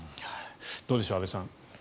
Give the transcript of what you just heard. どうでしょう、安部さん。